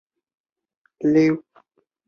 昔曾改名陈天崴。